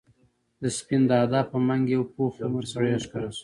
د سپين دادا په منګ یو پوخ عمر سړی راښکاره شو.